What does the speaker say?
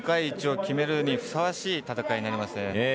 世界一を決めるにふさわしい戦いになります。